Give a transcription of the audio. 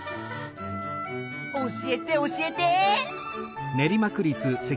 教えて教えて！